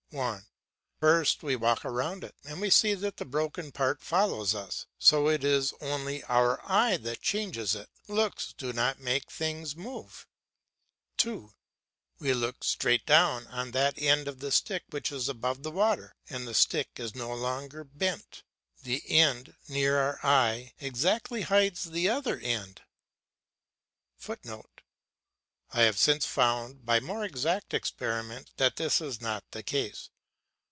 1. First we walk round it, and we see that the broken part follows us. So it is only our eye that changes it; looks do not make things move. 2. We look straight down on that end of the stick which is above the water, the stick is no longer bent, [Footnote: I have since found by more exact experiment that this is not the case.